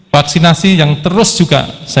vaksinasi yang terus juga